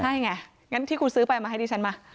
ใช่ไงงั้นที่คุณซื้อไปมาให้ดิฉันมา